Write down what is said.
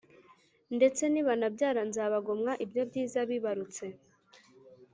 Ndetse nibanabyara, nzabagomwa ibyo byiza bibarutse.